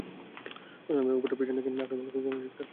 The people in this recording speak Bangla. মুসলমানদের উপর পেছন দিক থেকে আক্রমণ না করে খুবই অনুচিত কাজ করেছ।